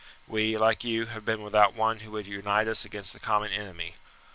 "We, like you, have been without one who would unite us against the common enemy.